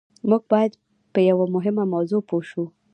موږ بايد په يوه مهمه موضوع پوه شو.